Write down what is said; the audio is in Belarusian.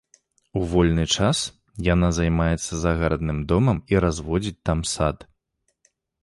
У вольны час яна займаецца загарадным домам і разводзіць там сад.